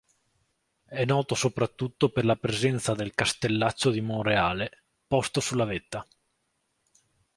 È noto soprattutto per la presenza del Castellaccio di Monreale, posto sulla sua vetta.